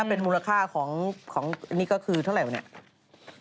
เป็นมูลค่าของนี่ก็คือเท่าไหร่วะเนี่ย